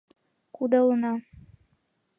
Кудалына!